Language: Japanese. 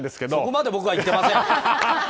そこまで僕は言ってません。